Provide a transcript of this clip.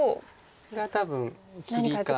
これは多分切りか出て。